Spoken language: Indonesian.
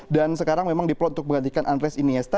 dan sekarang memang diplot untuk menggantikan andres iniesta